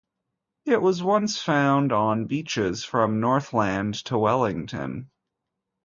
It was once found on beaches from Northland to Wellington.